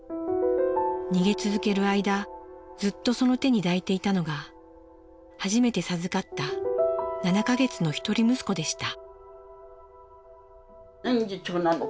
逃げ続ける間ずっとその手に抱いていたのが初めて授かった７か月の一人息子でした。